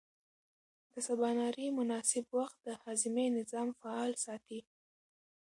د سباناري مناسب وخت د هاضمې نظام فعال ساتي.